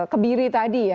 kebiri tadi ya